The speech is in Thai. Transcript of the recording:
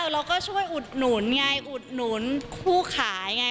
เราก็ช่วยอุดหนุนไงอุดหนุนคู่ขายไง